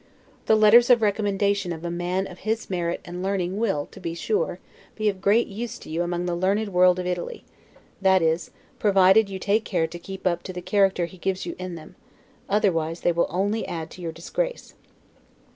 The letters of recommendation of a man of his merit and learning will, to be sure, be of great use to you among the learned world in Italy; that is, provided you take care to keep up to the character he gives you in them; otherwise they will only add to your disgrace.